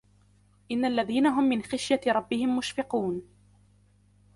إن الذين هم من خشية ربهم مشفقون